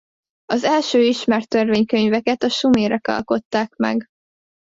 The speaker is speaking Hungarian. Az első ismert törvénykönyveket a sumerek alkották meg.